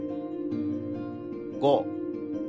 ５。